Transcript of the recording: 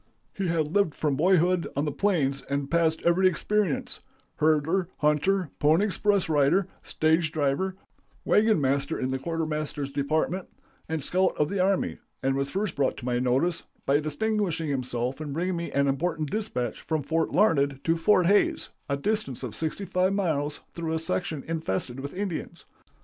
He had lived from boyhood on the plains and passed every experience herder, hunter, pony express rider, stage driver, wagon master in the quartermaster's department, and scout of the army, and was first brought to my notice by distinguishing himself in bringing me an important dispatch from Fort Larned to Fort Hays, a distance of sixty five miles, through a section infested with Indians.